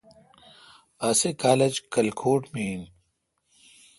اسی کالج کھلکوٹ می این